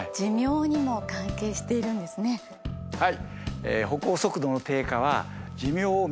はい。